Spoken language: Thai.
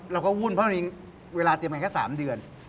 เราก็วุ่นเพราะวันนี้เวลาเตรียมกันแค่๓เดือน